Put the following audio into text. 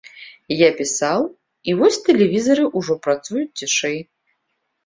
Я пісаў, і вось тэлевізары ўжо працуюць цішэй.